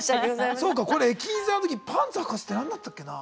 そうかこれ駅員さんの時パンツはかすって何だったっけなあ。